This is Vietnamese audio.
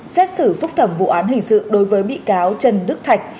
xét xử phúc thẩm vụ án hình sự đối với bị cáo trần đức thạch